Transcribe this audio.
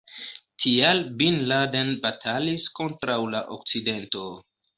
Tial Bin Laden batalis kontraŭ la Okcidento.